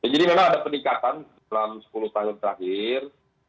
jadi memang ada peningkatan dalam sepuluh tahun terakhir